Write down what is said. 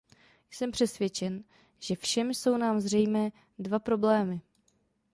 Jsem přesvědčen, že všem jsou nám zřejmé dva problémy.